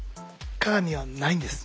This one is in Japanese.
鏡はないんです。